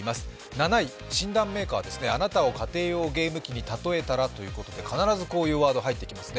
７位、診断メーカーですね、あなたを家庭用ゲーム機に例えたらと、必ずこういうワードが入ってきますね。